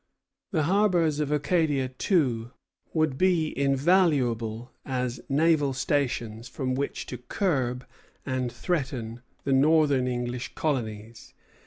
The harbors of Acadia, too, would be invaluable as naval stations from which to curb and threaten the northern English colonies.